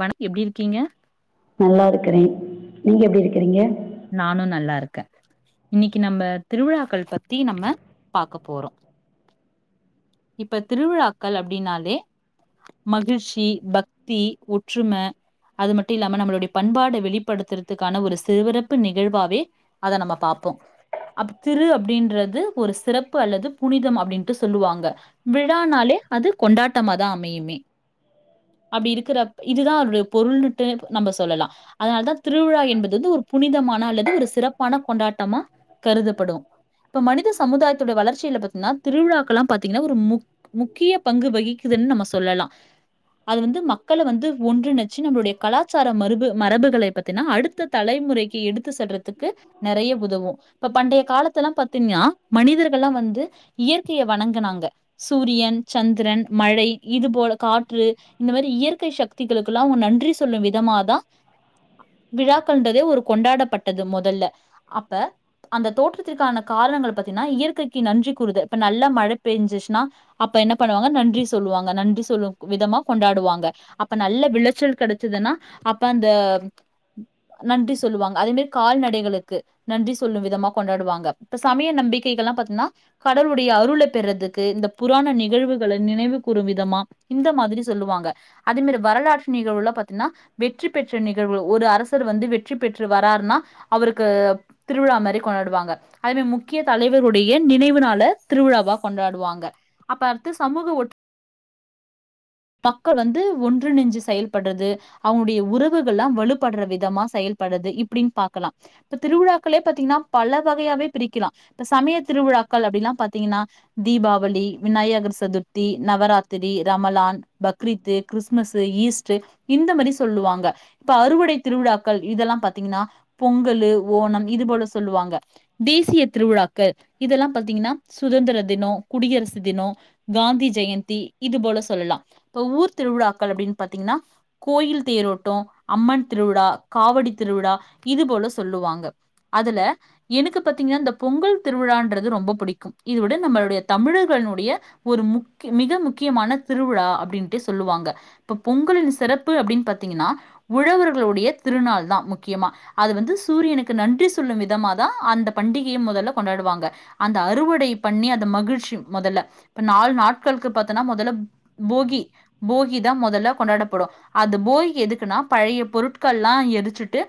வண எப்டி இருக்கீங்க க்றேன் நீங்க எப்டி இருக்கிறீங்க நானும் நல்லா இருக்கே இன்னிக்கு நம்ம திருவிழாக்கள் பத்தி நம்ம பாக்க போறோம் இப்ப திருவிழாக்கள் அப்டின்னாலே மகிழ்ச்சி பக்தி ஒற்றும அது மட்டு இல்லாம நம்மளுடைய பண்பாட வெளிப்படுத்துறதுக்கான ஒரு சிறுவிறரப்பு நிகழ்வாவே அத நம்ம பாப்போம் அப்ப திரு அப்டின்றது ஒரு சிறப்பு அல்லது புனிதம் அப்டின்ட்டு சொல்லுவாங்க விழானாலே அது கொண்டாட்டமாதா அமையுமே அப்டி இருக்கிறப் இதுதான் அதுடைய பொருள்ன்ட்டு நம்ப சொல்லலா அதனால தா திருவிழா என்பது து ஒரு புனிதமான அல்லது ஒரு சிறப்பான கொண்டாட்டமா கருதப்படும் ப்ப மனித சமுதாயத்துடைய வளர்ச்சியில பத்தின்னா திருவிழாக்குல்ல திங்கன்னா ஒரு முக் முக்கிய பங்கு வகிக்குதுன்னு நம்ம சொல்லலா அது வந்து மக்கள வந்து ஒன்றிணைச்சு நம்மளுடைய கலாச்சார மருபு மரபுகள பத்தினா அடுத்த தலைமுறைக்கு எடுத்து செல்றதுக்கு நெறைய உதவும் இப்ப பண்டைய காலத்தல்லா பாத்தின்யா மனிதர்கள்லா வந்து இயற்கைய வணங்கினாங் க சூரியன் சந்திரன் மழை இதுபோல காற்று இந்த மாரி இயற்கை சக்திகளுக்குல்லாம் அவுங் நன்றி சொல்லும் விதமாதான் அ விழாக்கள்டதே ஒரு கொண்டாடப்பட்டது மொதல்ல அப்ப அந்த தோற்றத்திற்கான காரணங்கள் பத்தின்னா இயற்கைக்கு நன்றி கூறுது இப்ப நல்ல மழ பேஞ்சிச்சுன்னா அப்ப என்ன பண்ணுவாங்க நன்றி சொல்லுவாங்க நன்றி சொல்லும் விதமா கொண்டாடுவாங்க அப்ப நல்ல விளைச்சல் கிடைச்சதுன்னா அப்ப அந்த நன்றி சொல்லுவாங்க அதே மேரி கால்நடைகளுக்கு நன்றி சொல்லும் விதமா கொண்டாடுவாங்க இப்ப சமய நம்பிக்கைகள் எல்லாம் பாத்தின்னா கடவுளுடய அருள் பெறதுக்கு இந்த புராண நிகழ்வுகள நினைவு கூறும் விதமா இந்த மாதிரி சொல்லுவாங்க அதே மேரி வரலாற்று நிகழ்வுல பாத்தின்னா வெற்றி பெற்ற நிகழ்வுகள் ஒரு அரசர் வந்து வெற்றி பெற்று வராருன்னா அவருக்கு திருவிழா மாரி கொண்டாடுவாங்க அதே மாதி முக்கிய தலைவருடைய நினைவுனால திருவிழாவா கொண்டாடுவாங்க அப்ப அடுத்து சமூக ஒற் பக்க வந்து ஒன்றுணைஞ்சு செயல்படுறது அவனுடைய உறவுகள்லா வலுப்படுற விதமா செயல்படது இப்டின்னு பாக்கலா இப்ப திருவிழாக்களே பாத்தின்னா பல வகையாவே பிரிக்கலாம் இப்ப சமய திருவிழாக்கள் அப்டிலாம் பாத்தீங்கன்னா தீபாவளி விநாயகர் சதுர்த்தி நவராத்திரி ரமலான் பக்ரீத்து கிறிஸ்மஸ் ஈஸ்ட்ரு இந்த மெரி சொல்லுவாங்க ப்ப அறுவடை திருவிழாக்கள் இதெல்லாம் பாத்தீங்கன்னா பொங்கல்லு ஓணம் இது போல சொல்லுவாங்க தேசிய திருவிழாக்கு இதெல்லாம் பாத்தீங்கன்னா சுதந்திர தினோம் குடியரசு தினோம் காந்தி ஜெயந்தி இது போல சொல்லலா இப்ப ஊர் திருவிழாக்கள் அப்டினு பாத்திங்ன்னா கோயில் தேரோட்டோம் அம்மன் திருவிழா காவடி திருவிழா இது போல சொல்லுவாங்க அதுல எனக்கு பாத்திங்ன்னா இந்த பொங்கல் திருவிழான்றது ரொம்ப பிடிக்கும் இத விட நம்மளுடைய தமிழர்கனுடைய ஒரு முக் மிக முக்கியமான திருவிழா அப்டின்ட்டு சொல்லுவாங்க இப்ப பொங்கலின் சிறப்பு அப்டினு பாத்திங்கனா உழவர்களுடைய திருநாள் தான் முக்கியமா அது வந்து சூரியனுக்கு நன்றி சொல்லும் விதமாதா அந்த பண்டிகயே மொதல்ல கொண்டாடுவாங்க அந்த அறுவடை பண்ணி அத மகிழ்ச்சி மொதல்ல ப்ப நாலு நாட்களுக்கு பாத்தனா மொதல போகி போகி தான் மொதல கொண்டாடபடும் அது போகி எதுக்குனா பழைய பொருட்கள்லாம் எரிச்சுட்டு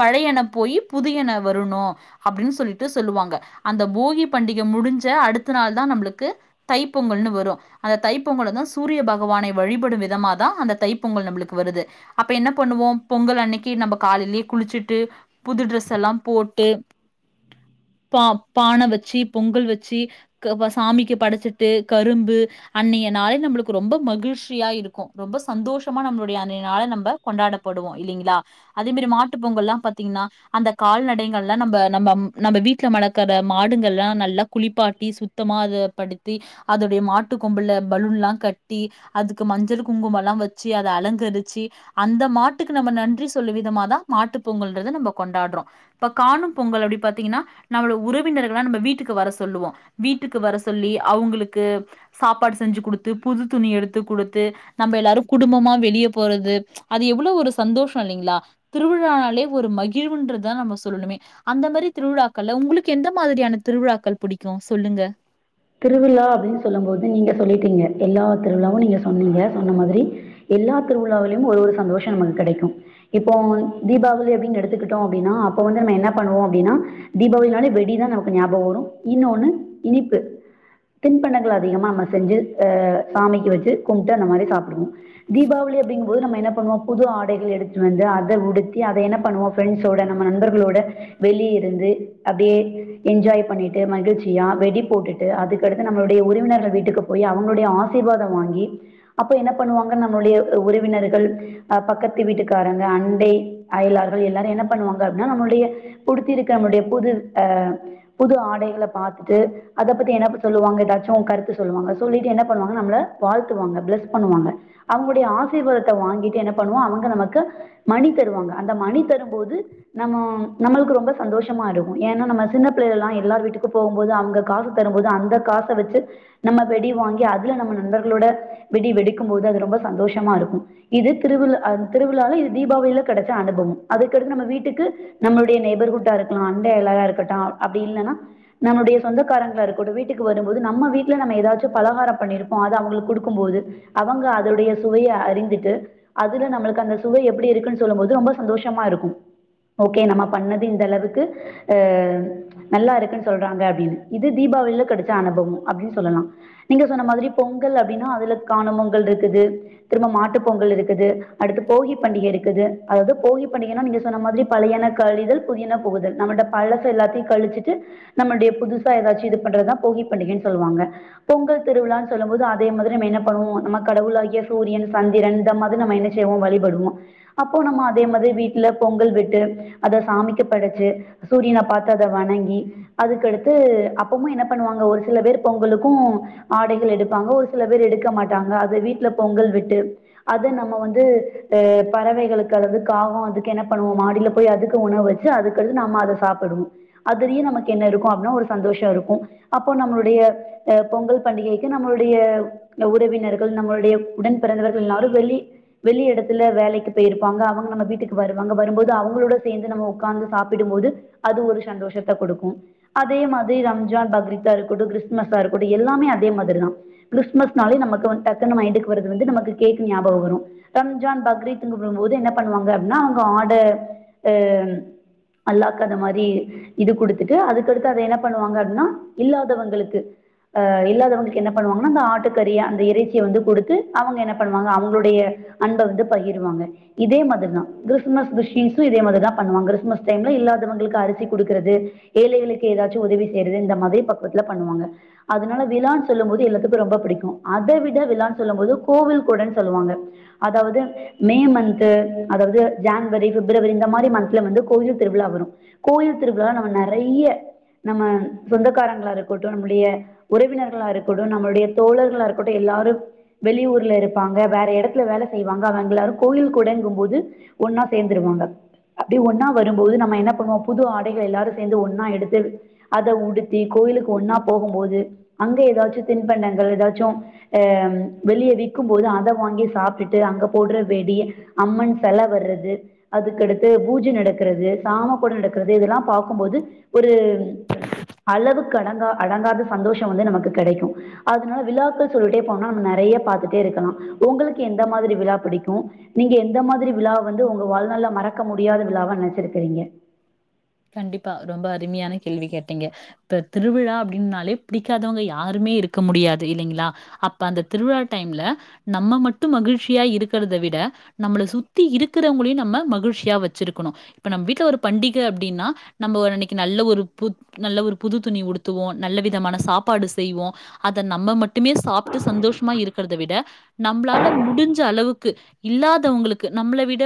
பழையன போய் புதியன வருணும் அப்டின்னு சொல்லிட்டு சொல்லுவாங்க அந்த போகி பண்டிக முடிஞ் ச அடுத்த நாள் தான் நம்புளுக்கு தைப் பொங்கல்னு வரும் அந்த தைப்பொங்கல்ல தான் சூரிய பகவானை வழிபடும் விதமா தா அந்த தைப்பொங்கல் நம்புளுக்கு வருது அப்ப என்ன பண்ணுவோம் பொங்கல் அன்னைக்கு நம்ப காலையிலயே குளிச்சுட்டு புது ட்ரெஸ் எல்லா போட்டு பா பான வச்சு பொங்கல் வச் சி க சாமிக்கு படைச்சிட்டு கரும்பு அன்னையனாளே நம்புளுக்கு ரொம்ப மகிழ்ச்சியா இருக்கும் ரொம்ப சந்தோஷமா நம்புளுடைய அன்றய நாள நம்ம கொண்டாடப்படுவோ இல்லிங்களா அதே மாரி மாட்டு பொங்கல்லா பாத்தீங்கன்னா அந்த கால்நடைகள்லாம் நம்ப நம்ப நம்ப வீட்டுல மளக்கற மாடுங்கள் எல்லாம் நல்லா குளிப்பாட்டி சுத்தமா அத படுத்தி அதோடைய மாட்டு கொம்புல பலூன்லா கட்டி அதுக்கு மஞ்சள் குங்குமம் ல்லாம் வச்சு அத அலங்கரிச்சு அந்த மாட்டுக்கு நம்ப நன்றி சொல்லும் விதமாதான் மாட்டு பொங்கல்ன்றது நம்ப கொண்டாடுறோம் ப்ப காணும் பொங்கல் அப்டி பாத்தீங்கன்னா நம்ம உறவினர்கள்லாம் நம்ம வீட்டுக்கு வர சொ ல்லுவோம் வீட்டுக்கு வர சொல்லி அவுங்குளுக்கு சாப்பாடு செஞ்சு குடுத்து புது துணி எடுத்து குடுத்து நம்ப எல்லாரும் குடும்பமா வெளியே போறது அது எவ்ளோ ஒரு சந்தோஷம் இல்லைங்களா திருவிழானாலே ஒரு மகிழ்வுன்றதா நம்ப சொல்லுணுமே அந்த மாரி திருவிழாக்கள்ல உங்குளுக்கு எந்த மாதிரியான திருவிழாக்கள் புடிக்கும் சொல்லுங்க திருவிழா அப்டின்னு சொல்லும் போது நீங்க சொல்லிட்டீங்க எல்லா திருவிழாவும் நீங்க சொன்னீங்க சொன்ன மாதிரி எல்லா திருவிழாலயும் ஒரு ஒரு சந்தோஷம் நமக்கு கெடைக்கும் இப்போ தீபாவளி அப்டின்னு எடுத்துக்கிட்டோம் அப்டின்னா அப்ப வந்து நம்ம என்ன பண்ணுவோம் அப்டின்னா தீபாவளினாலே வெடிதான் நமக்கு ஞாபகம் வரும் இன்னொன்னு இனிப்பு தின்பண்டங்கள் அதிகமா நம்ம செஞ்சு அஹ் சாமிக்கு வெச்சு கும்ட்டு அந்த மாரி சாப்பிடுவோ தீபாவளி அப்டிங்கும் போது நம்ம என்னப் வோம் புது ஆடைகள் எடுத்து வந்து அத உடுத்தி அத என்ன பண்ணுவோம் ப்ரெண்ட்ஸ்ஓடா நம்ம நண்பர்களோட வெளிய இருந்து அப்டியே என்ஜாய் பண்ணிட்டு மகிழ்ச்சியா வெடி போட்டுட் டு அதுக்கடுத்து நம்மளுடைய உறவினர்கள் வீட்டுக்கு போய் அவங்குளுடைய ஆசீர்வாதம் வாங்கி அப்ப என்ன பண்ணுவாங்கன்னு நம்மளுடைய உறவினர்கள் அஹ் பக்கத்து வீட்டுக்காரங்க அண்டை அயலார்கள் எல்லாரும் என்ன பண்ணுவாங்க அப்டின்னா நம்மளுடைய புடித்தி இருக்கு நம்மளுடைய புது அஹ் புது ஆடைகளை பாத்துட்டு அத பத்தி என்னப் சொல்லுவாங்க ஏதாச்சும் உங்க கருத்து சொல்லுவாங்க சொல்லிட்டு என்ன பண்ணுவாங்க நம்மள வாழ்த்துவாங்க ப்ளஸ் பண்ணுவாங்க அவங்குளுடைய ஆசீர்வாதத்த வாங்கிட்டு என்ன பண்ணுவோ அவங்க நமக்கு மணி தருவாங்க அந்த மணி தரும்போது நம்ம நம்மளுக்கு ரொம்ப சந்தோஷமா இருக்கும் ஏனா நம்ம சின்ன பிள்ளைல்லாம் எல்லார் வீட்டுக்கு போகும்போது அங்க காசு தரும்போது அந்த காச வச்சு நம்ம வெடி வாங்கி அதுல நம்ம நண்பர்களோட வெடி வெடிக்கும்போது அது ரொம்ப சந்தோஷமா இருக்கும் இது திருவிள் திருவிழால இது தீபாவளில கெடச்ச அனுபவம் அதுக்கடுத்து நம்ம வீட்டுக்கு நம்மளுடைய நெய்பர்ஹூட்டா இருக்கலாம் அண்டையல்லாரா இருக்கட்டும் அப்டி இல்லைன்னா நம்மளுடைய சு சொந்தக்காரங்கள இருக்கட்டும் வீட்டுக்கு வரும்போது நம்ம வீட்டுல நம்ம ஏதாச்சும் பலகாரம் பண்ணிருப்போம் அது அவங்குளுக்கு குடுக்கும்போது அவங்க அதுடைய சுவைய அறிந்துட்டு அதுல நம்மளுக்கு அந்த சுவை எப்டி இருக்குன்னு சொல்லும் போது ரொம்ப சந்தோஷமா இருக்கும் ஓகே நம்ப பண்ணது இந்த அளவுக்கு அஹ் நல்லா இருக்குன்னு சொல்றாங்க அப்டின்னு இது தீபாவளில கெடச்ச அனுபவம் அப்டின்னு சொல்லலாம் நீங்க சொன்ன மாதிரி பொங்கல் அப்டின்னா அதுல காணும் பொங்கல் இருக்குது திரும்ப மாட்டு பொங்கல் இருக்குது அடுத்து போகி பண்டிகை இருக்குது அதாவது போகி பண்டிகைனா நீங்க சொன்ன மாதுரி பழையான கழிதல் புதியன புகுதல் நம்மளட பழச எல்லாத்தையு கழிச்சுட்டு நம்மவுடைய புதுசு சா ஏதாச்சு இது பண்றது போகி பண்டிகைன்னு சொல்லுவாங்க பொங்கல் திருவிழான்னு சொல்லும் போது அதே மாதிரி என்ன பண்ணுவோம் நம்ம கடவுளாகிய சூரியன் சந்திரன் இந்த மாரி என்ன செய்வோம் வழிபடுவோம் அப்போ நம்ம அதே மாதிரி வீட்டுல பொங்கல் விட்டு அத சாமிக்கு படச்சு சூரியனை பாத்து அத வணங்கி அதுக்குடுத் து அப்பமும் என்ன பண்ணுவாங்க ஒரு சில பேர் பொங்கலுக்கும் ஆடைகள் எடுப்பாங்க ஒரு சில பேர் எடுக்க மாட்டாங்க அத வீட்டுல பொங்கல் விட்டு அத நம்ம வந்து ஹே பறவைகளுக்கு அதாது காகம் அதுக்கு என்ன பண்ணுவோம் மாடியில போய் அதுக்கு உணவு வச்சு அதுக்கடுத்து நம்ம அத சாப்பிடனும் அதுலயும் நமக்கு என்ன இருக்கு பாத்தா ஒரு சந்தோஷம் இருக்கும் அப்போ நம்மளுடைய அஹ் பொங்கல் பண்டிகைக்கு நம்மளுடைய உறவினர்கள் நம்மளுடைய உடன் பிறந்தவர்கள் எல்லாரு வெளி வெளி எடத்துல வேலைக்கு போயிருப்பாங்க அவங்க நம்ம வீட்டுக்கு வருவாங்க வரும்போது அவங்களோட சேந்து நம்ம ஒக்காந்து சாப்பிடும்போது அது ஒரு சந்தோஷத்தை குடுக்கும் அதே மாதிரி ரம்ஜான் பக்ரீதா இருக்குட்டும் கிறிஸ்துமஸா இருக்குட்டும் எல்லாமே அதே மாதிரிதான் கிறிஸ்துமஸ்னாலே நமக்கு டக்குன்னு மைண்டுக்கு வரது வந்து நமக்கு கேக் ஞாபகம் வரும் ரம்ஜான் பக்ரீத்ங்கும்போது என்ன பண்ணுவாங்க அப்டின்னா அவங்க ஆடு அஹ் அல்லாக்கு அத மாதுரி இது குடுத்துட்டு அதுக் அடுத்து அடுத் என்ன பண்ணுவாங்க அப்டினா இல்லாதவங்களுக்கு அஹ் இல்லாதவங்க் என்ன பண்ணுவாங்கனா அந்த ஆட்டு கறியே அந்த இறைச்சிய வந்து குடுத்து அவங்க என்ன பண்ணுவாங்க அவங்குடையே அன்பை வ பகிருவாங்க இதே மாதுரிதான் கிறிஸ்துமஸ் கிறிஸ்டின்ஸ்சும் இதே மாரி தான் பண்ணுவாங்க கிறிஸ்துமஸ் டைம்லெ இல்லாதவங்களுக்கு அரிசி குடுக்கிறது ஏழைக ளுக்கு ஏதாச்சு உதவி செய்றது இந்த மாதுரி பக்குவத்துல பண்ணுவாங்க அதனால விழான்னு சொல்லும் போது எல்லாத்துக்கும் ரொம்ப பிடிக்கும் அத விட விழான்னு சொல்லும் போது கோவில் கூடன்னு சொல்லுவாங்க அதாவது மே மந்த்து அதாவது ஜன்வரி பிப்ரவரி இந்த மாரி மந்த்லெ வந்து கோயில் திருவிழா வரும் கோயில் திருவிழா நம்ம நெறைய நம்ம சொந்தக்காரங்களா இருக்கட்டும் நம்மளுடைய உறவினர்களா இருக்கட்டும் நம்மளுடைய தோழர்களா இருக்கட்டும் எல்லாரும் வெளியூர்ல இருப்பாங்க வேற எடத்துல வேல செய்வாங்க அவங்க எல்லாரும் கோயில் கூடங்குபோது ஒன்னா சேந்துருவாங்க அப்டி ஒன்னா வரும்போது நம்ம என்ன பண்ணுவோம் புது ஆடைகள் எல்லாரும் சேர்ந்து ஒன்னா எடுத்து அத உடுத்தி கோயிலுக்கு ஒன்னா போகும்போது அங்க ஏதாச்சு தின்பண்டங்கள் ஏதாச்சும் ஹ வெளிய விக்கும்போது அத வாங்கி சாப்டுட்டு அங்க போடுற வெடி அம்மன் செல வர்றது அதுக்கடுத்து பூஜ நடக்றது சாம கூட நடக்றது இதெல்லா பாக்கும்போது ஒரு அளவுக் க்கடங்கா அடங்காத சந்தோஷ வந்து நமக்கு கெடைக்கு அதனால விழாக்கள் சொல்லிடே போனா நம்ம நெறைய பாத்துட்டே இருக்கலா உங்களுக்கு எந்த மாதிரி விழா பிடிக்கு நீங்க எந்த மாதிரி விழா வந்து உங்க வாழ்நாள்ல மறக்க முடியாத விழாவா நெனச்சிருக்றீங்க கண்டிப்பா ரொம்ப அரும்மியான கேள்வி கேட்டீங்க இப்ப திருவிழா அப்டின்னாலே பிடிக்காதவங்க யாருமே இருக்க முடியாது இல்லிங்களா அப்ப அந்த திருவிழா டைம்ல நம்ம மட்டு மகிழ்ச்சியா இருக்கறத விட நம்பள சுத்தி இருக்கிறவங்களையு நம்ம மகிழ்ச்சியா வெச்சிருக்குணு இப்ப நம் வீட்ல ஒரு பண்டிக அப் டின்னா நம்ப ஒரு அன்னிக்கி நல்ல ஒரு புத் நல்ல ஒரு புது துணி உடுத்துவோ நல்ல விதமான சாப்பாடு செய்வோ அத நம்ம மட்டுமே சாப்ட்டு சந்தோஷமா இருக்கறத விட நம்ப்ளால முடிஞ்ச அளவுக்கு இல்லாதவங்களுக்கு நம்பள விட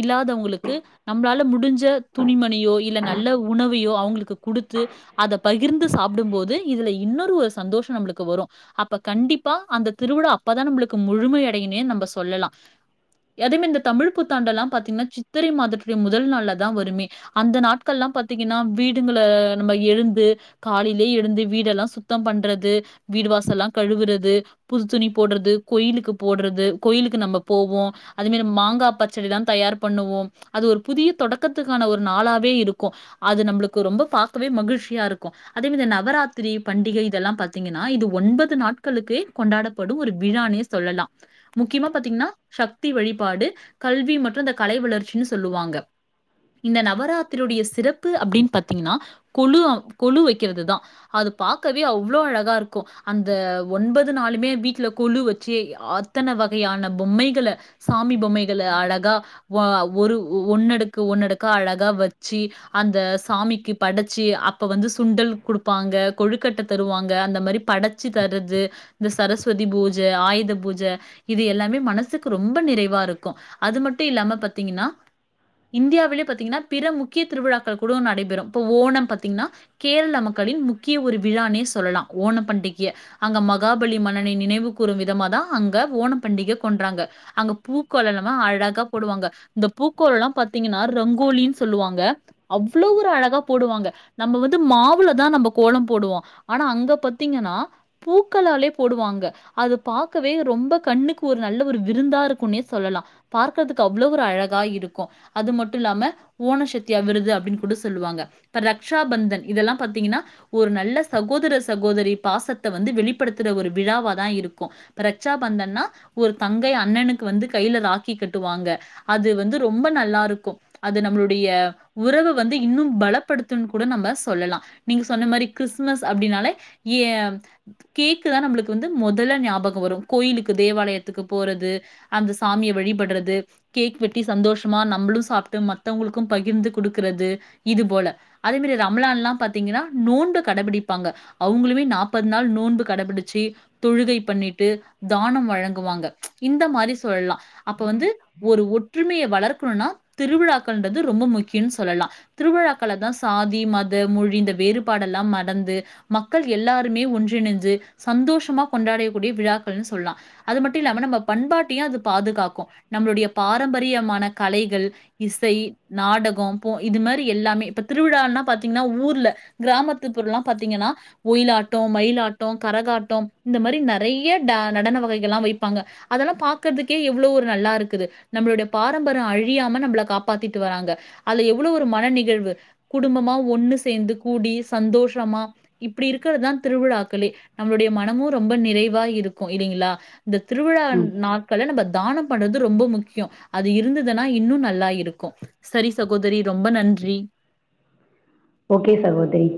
இல்லாதவங்குளுக்கு நம்ப்ளால முடிஞ்ச துணிம ணியோ இல்ல நல்ல உணவையோ அவுங்ளுக்கு குடுத்து அத பகிர்ந்து சாப்டும் போது இதுல இன்னொரு ஒரு சந்தோஷ நம்ளுக்கு வரு அப்ப கண்டிப்பா அந்த திருவிழா அப்பதா நம்ளுக்கு முழுமை அடையுனே நம்ப சொல்லலா எதையுமே இந்த தமிழ் புத்தாண்டெல்லா பாத்தீங்ன்னா சித்திரை மாதத்துடைய முதல் நாள்லதா வருமே அந்த நாட்கள்லா பாத்தீங்கன்னா வீடுங்கள நம்ப எழுந்து காலைல்யே எழுந்து வீடெல்லா சுத்தம் பண்றது வீடு வாசல்லா கழுவுறது புது துணி போட்றது கோயிலுக்கு போட்றது கோயிலுக்கு நம்ப போவோ அது மேர் நம் மாங்கா பச்சடி தா தயார் பண்ணுவோம் அது ஒரு புதிய தொடக்கத்துக்கான ஒரு நாளாவே இருக்கூ அது நம்புளுக்கு ரொம்ப பாக்கவே மகிழ்ச்சியா இருக்கு அதேமேதி இந்த நவராத்திரி பண்டிகை இதெல்லா பாத்தீங்கன்னா இது ஒன்பது நாட்களுக்கு கொண்டாடப்படும் ஒரு விழானே சொல்லலா முக்கியமா பாத்தீங்ன்னா ஷக்தி வழிபாடு கல்வி மற்றும் இந்த கலை வளர்ச்சினு சொல்லுவாங்க இந்த நவராத்திரியுடைய சிறப்பு அப்டின் பாத்தீங்கன்னா கொழு கொழு வெக்கிறது தா அது பாக்கவே அவ்ளோ அழகாருக்கூ அந்த ஒன்பது நாளுமே வீட்ல கொழு வெச்சி அத்தன வகையான பொம்மைகள சாமி பொம்மைகள அழகா வ ஒரு ஒன்னடுக்கு ஒன்னடுக் க்கா அழகா வச்சி அந்த சாமிக்கு படைச்சி அப்ப வந்து சுண்டல் குடுப்பாங்க கொழுக்கட்ட தருவாங்க அந்த மாரி படச்சி தர்றது இந்த சரஸ்வதி பூஜ ஆயுத பூஜ இது எல்லாமே மனசுக்கு ரொம்ப நிறைவா இருக்கூ அது மட்டு இல்லாம பாத்தீங்கன்னா இந்தியாவிலே பாத் திங்கனா பிற முக்கிய திருவிழாக்கள் கூடொ நடைபெறு இப்ப ஓணம் பாத்தீங்ன்னா கேர்ளா மக்களின் முக்கிய ஒரு விழானே சொல்லலா ஓணம் பண்டிகிய அங்க மகாபலி மன்னனை நினைவு கூறும் விதமா தா அங்க ஓணம் பண்டிகை கொன்றாங்க அங்க பூக்கோளல்லமு அழகா போடுவாங்க இந்த பூக்கோளல்லா பாத்தீங்கன்னா ரங் கோலின் சொல்லுவாங்க அவ்ளோ ஒரு அழகா போடுவாங்க நம்ப வந்து மாவுல தா நம்ப கோலம் போடுவோ ஆனா அங்க பத்தீங்கனா பூக்களாலே போடுவாங்க அது பாக்கவே ரொம்ப கண்ணுக்கு ஒரு நல்ல ஒரு விருந்தா இருக்குன்னே சொல்லலா பார்க்கறதுக்கு அவ்ளோ ஒரு அழகா இருக்கு அது மட்டுல்லாம ஓணஷக்தியா விருது அப்டின் கூட சொல்லுவாங்க இப்ப ரக்ஷாபந்தன் இதெல்லா பாத்தீங்கன்னா ஒரு நல்ல சகோதர சகோதரி பாசத்த வந்து வெளிப்படுத்தற ஒரு விழாவா தா இருக்கு இப்ப ரக்ஷாபந்தன்னா ஒரு தங்கை அண்ணனுக்கு வந்து கையில ராக்கி கட்டுவாங்க அது வந்து ரொம்ப நல்லா இருக்கு அது நம்புளுடைய உறவ வந்து இன்னு பலப்படுத்துன் கூட நம்ப சொல்லலா நீங்க சொன்ன மாரி கிறிஸ்மஸ் அப்டினாலே ஏ கேக்கு தா நம்ளுக்கு வந்து மொதல்ல ஞாபக வரும் கோயிலுக்கு தேவாலயத்துக்கு போறது அந்த சாமிய வழிபட்றது கேக் வெட்டி சந்தோஷமா நம்புளு சாப் டு மத்தவங்களுக்கு பகிர்ந்து குடுக்கறது இது போல அதே மாரி ரமலான் லா பாத்தீங்கனா நோன்பு கடபிடிப்பாங்க அவுங்களுமே நாப்பது நாள் நோன்பு கடபிடிச்சி தொழுகை பண்ணிட்டு தானம் வழங்குவாங்க இந்த மாரி சொல்லலா அப்ப வந்து ஒரு ஒற்றுமைய வளர்க்கணுனா திருவிழாக்கள்ன்றது ரொம்ப முக்கியன் சொல்லலா திருவிழாக்கள தா சாதி மத மொழி இந்த வேறுபாடல்லா மறந்து மக்கள் எல்லாருமே ஒன்றினஞ்சு சந்தோஷமா கொண்டாடயக்கூடிய விழாக்கள்னு சொல்லா அது மட்டு இல்லாம நம்ம பண்பாட்டையு அது பாதுகாக்கு நம்ளுடைய பாரம்பரியமான கலைகள் இசை நாடகம் போ இது மாரி எல்லாமே இப்ப திருவிழால்னா பாத்தீங்ன்னா ஊர்ல கிராமத்து புறள்லா பாத்திங்கனா ஒயிலாட்டோ மயிலாட்டோ கரகாட்டோ இந்த மாரி நறைய ட நடன வகைகள் லா வைப்பாங்க அதல்லா பாக்கதுக்கே எவ்ளோ ஒரு நல்லா இருக்குது நம்பளுடைய பாரம்பரோ அழியாம நம்பள காப்பாத்திட்டு வராங்க அதுல எவ்ளோ ஒரு மன நிகழ்வு குடும்பமா ஒண்ணு சேந்து கூடி சந்தோஷமா இப்டி இருக்கறதா திருவிழாக்களே நம்ளுடைய மனமு ரொம்ப நிறைவா இருக்கு இல்லிங்களா இந்த திருவிழா ம் நாட்கள நம்பத் தானம் பண்றது ரொம்ப முக்கியோ அது இருந்துதுன்னா இன்னு நல்லாயிர் ருக்கு சரி சகோதரி ரொம்ப நன்றி ஓக்கே சகோதிரி